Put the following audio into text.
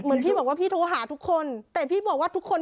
เหมือนพี่บอกว่าพี่โทรหาทุกคนแต่พี่บอกว่าทุกคน